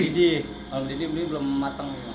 oh mendidih belum matang